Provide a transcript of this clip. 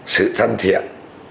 sự thân thiện